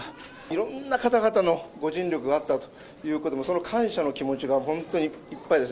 いろんな方々のご尽力があったということも、その感謝の気持ちが本当にいっぱいです。